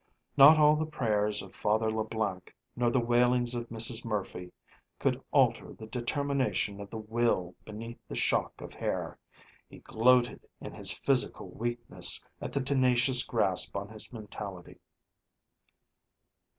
Not all the prayers of Father Leblanc nor the wailings of Mrs. Murphy could alter the determination of the will beneath the shock of hair; he gloated in his physical weakness at the tenacious grasp on his mentality.